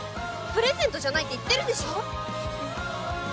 プレゼントじゃないって言ってるでしょ！